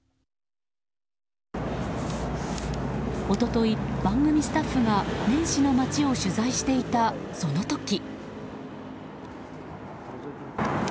一昨日、番組スタッフが年始の街を取材していたその時。